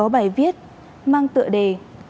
bài viết mang tựa đề